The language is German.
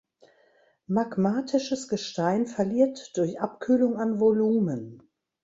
Magmatisches Gestein verliert durch Abkühlung an Volumen.